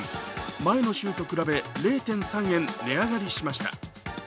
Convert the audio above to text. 前の週と比べ０．３円値上がりしました。